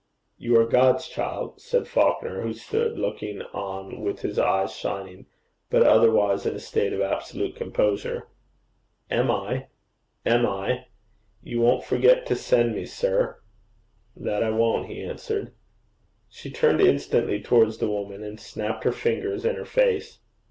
'You are God's child,' said Falconer, who stood looking on with his eyes shining, but otherwise in a state of absolute composure. 'Am I? Am I? You won't forget to send for me, sir?' 'That I won't,' he answered. She turned instantly towards the woman, and snapped her fingers in her face.